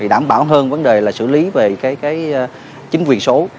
đảm bảo hơn vấn đề là xử lý về chính quyền số